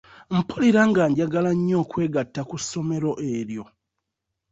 Mpulira nga njagala nnyo okwegatta ku ssomero eryo.